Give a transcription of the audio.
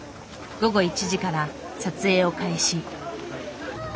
午後１時から撮影を開始。